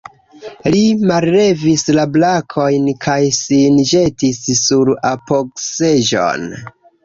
Li mallevis la brakojn kaj sin ĵetis sur apogseĝon.